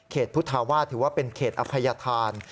พุทธาวาสถือว่าเป็นเขตอภัยธาน